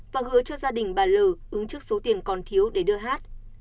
và hứa cho gia đình bà l ứng trước số tiền còn thiếu để đưa hát